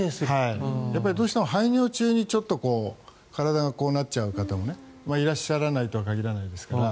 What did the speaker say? やっぱりどうしても排尿中に体がこうなっちゃう方もいらっしゃらないとは限らないですから。